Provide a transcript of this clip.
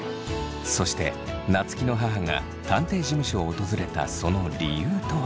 そして夏樹の母が探偵事務所を訪れたその理由とは。